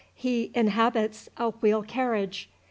He inhabits a wheel carriage.